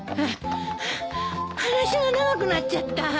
話が長くなっちゃった。